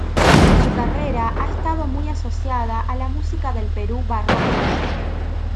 Su carrera ha estado muy asociada a la música del Perú barroco.